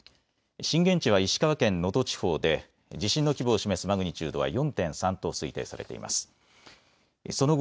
震源地は石川県能登地方で地震の規模を示すマグニチュードは４．３と推定されています。